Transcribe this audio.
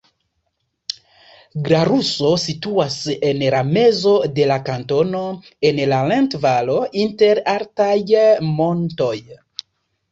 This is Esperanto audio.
Glaruso situas en la mezo de la kantono en la Linth-Valo inter altaj montoj.